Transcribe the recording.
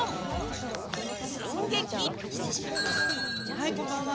はいこんばんは！